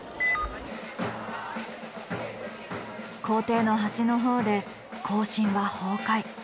校庭の端のほうで行進は崩壊。